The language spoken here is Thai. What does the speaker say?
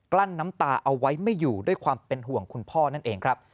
ลั้นน้ำตาเอาไว้ไม่อยู่ด้วยความเป็นห่วงคุณพ่อนั่นเองครับ